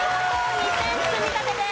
２点積み立てです。